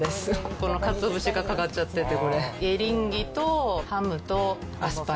このかつお節がかかっちゃってて。